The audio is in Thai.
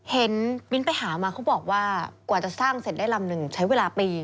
มิ้นไปหามาเขาบอกว่ากว่าจะสร้างเสร็จได้ลำหนึ่งใช้เวลาปี